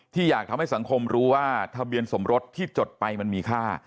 อยากทำให้สังคมรู้ว่าทะเบียนสมรสที่จดไปมันมีค่า